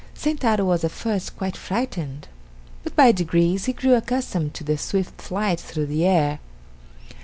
Sentaro was at first quite frightened; but by degrees he grew accustomed to the swift flight through the air.